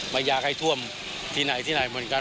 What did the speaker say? ไม่อยากให้ท่วมที่ไหนเหมือนกัน